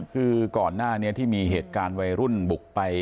คือก่อนหน้านี้ที่มีเหตุการณ์วัยรุ่นบุกไป